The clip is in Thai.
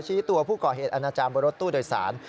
ชี้ตัวผู้ก่อเหตุอาณาจารย์บนรถตู้โดยสาร